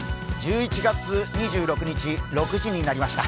１１月２６日、６時になりました。